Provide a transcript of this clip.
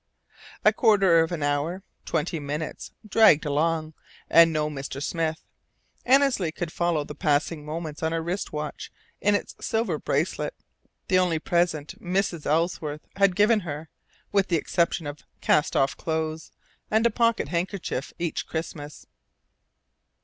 A quarter of an hour, twenty minutes, dragged along, and no Mr. Smith. Annesley could follow the passing moments on her wrist watch in its silver bracelet, the only present Mrs. Ellsworth had ever given her, with the exception of cast off clothes, and a pocket handkerchief each Christmas.